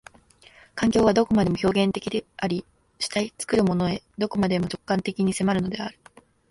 環境はどこまでも表現的であり、主体へ、作るものへ、どこまでも直観的に迫るのである。